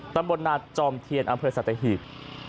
ตำบลนาจจอมเทียนอสัตเทฮีบ